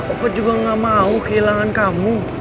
aku juga gak mau kehilangan kamu